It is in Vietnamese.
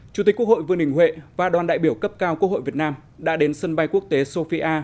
chủ tịch quốc hội vương đình huệ và đoàn đại biểu cấp cao quốc hội việt nam đã đến sân bay quốc tế sofia